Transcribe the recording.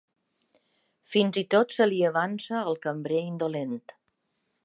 Fins i tot se li avança el cambrer indolent.